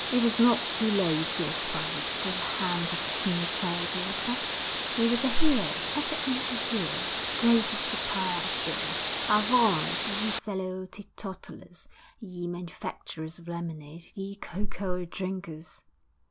He was not too low to aspire to the hand of a king's fair daughter; he was a hero, every inch a hero. Great is the power of beer. Avaunt! ye sallow teetotalers, ye manufacturers of lemonade, ye cocoa drinkers!